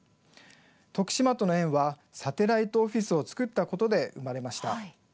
徳島との縁はサテライトオフィスを作ったことで生まれました。